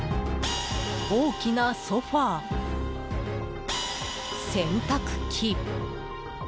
大きなソファ、洗濯機。